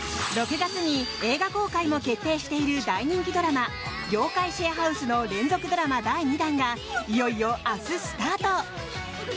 ６月に映画公開も決定している大人気ドラマ「妖怪シェアハウス」の連続ドラマ第２弾がいよいよ明日スタート。